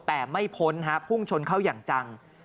แต่ไม่พ้นฮะพุ่งชนเข้าอย่างจัง